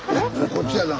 こっちやな。